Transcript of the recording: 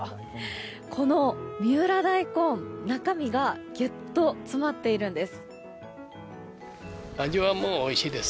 この三浦大根、中身がギュッと詰まっているんです。